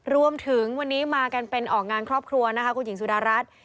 รวมถึงวันนี้มากันเป็นออกงานครอบครัวนะคะคุณหญิงสุดารัฐ